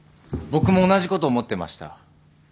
僕も同じこと思ってました。